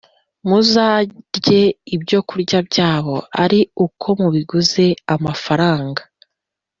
muzarye ibyokurya byabo ari uko mubiguze amafaranga,